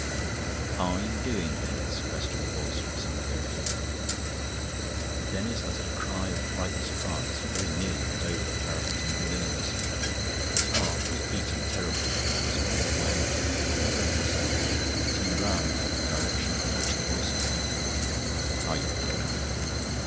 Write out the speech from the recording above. "What ARE you doing, Denis?" questioned a voice from somewhere very close behind him. Denis uttered a cry of frightened surprise, and very nearly went over the parapet in good earnest. His heart was beating terribly, and he was pale when, recovering himself, he turned round in the direction from which the voice had come. "Are you ill?"